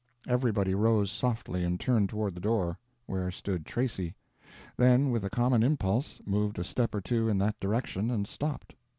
Everybody rose softly and turned toward the door, where stood Tracy; then with a common impulse, moved a step or two in that direction, and stopped.